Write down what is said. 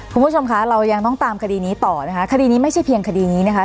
คุณผู้ชมคะเรายังต้องตามคดีนี้ต่อนะคะคดีนี้ไม่ใช่เพียงคดีนี้นะคะ